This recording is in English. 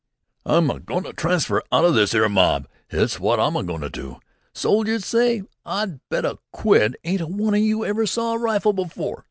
"I'm a go'n' to transfer out o' this 'ere mob, that's wot I'm a go'n' to do! Soldiers! S'y! I'll bet a quid they ain't a one of you ever saw a rifle before!